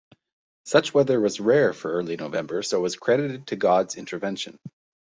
Such weather was rare for early November, so was credited to God's intervention.